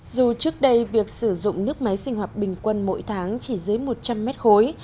dù trước đây việc sử dụng nước máy sinh hoạt bình quân mỗi tháng chỉ dưới một trăm linh mét khối